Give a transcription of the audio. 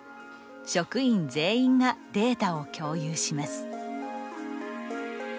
職員全員がデータを共有します。